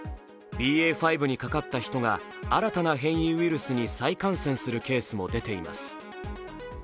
ＢＡ．５にかかった人が新たな変異ウイルスに再感染するケースも出ています。